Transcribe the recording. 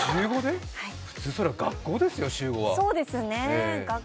普通学校ですよ、週５は。